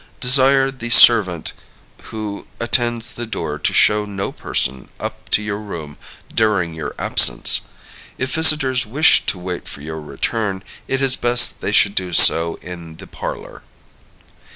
Desire the servant who attends the door to show no person up to your room during your absence. If visitors wish to wait for your return, it is best they should do so in the parlor.